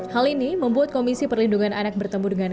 hal ini membuat komisi perlindungan anak bertemu dengan